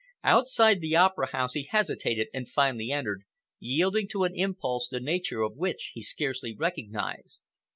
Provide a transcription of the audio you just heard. Outside the Opera House he hesitated and finally entered, yielding to an impulse the nature of which he scarcely recognized.